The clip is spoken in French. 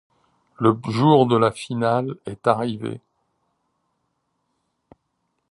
Le jour de la finale est arrivé.